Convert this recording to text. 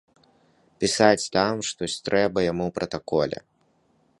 Пісаць там штось трэба яму ў пратаколе.